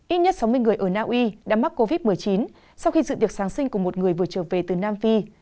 ít nhất sáu mươi người ở naui đã mắc covid một mươi chín sau khi dự tiệc giáng sinh của một người vừa trở về từ nam phi